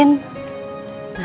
nanti kalau enggak